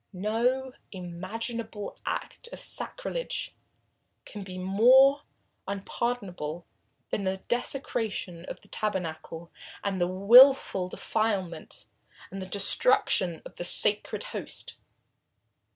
No imaginable act of sacrilege can be more unpardonable than the desecration of the tabernacle and the wilful defilement and destruction of the Sacred Host.